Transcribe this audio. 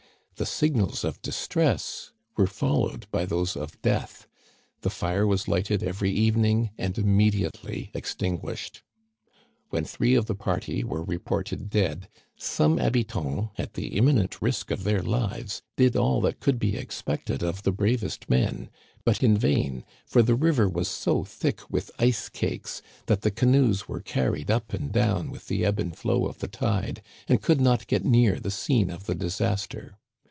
The signals of distress were followed by those of death. The fire was lighted every evening and immediately extinguished. When three of the party were reported dead, some habitants^ at the imminent risk of their lives, did all that could be expected of the bravest men ; but in vain, for the river was so thick with ice cakes that the canoes were carried up and down with the ebb and flow of the tide, and could not get near the scene of the disaster.